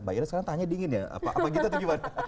mbak ira sekarang tanya dingin ya apa gitu atau gimana